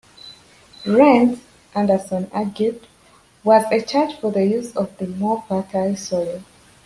Rent, Anderson argued, was a charge for the use of the more fertile soil.